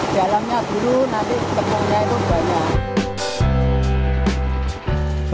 jalannya biru nanti tepungnya itu banyak